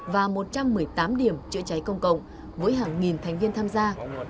và một trăm một mươi tám điểm chữa cháy công cộng với hàng nghìn thành viên tham gia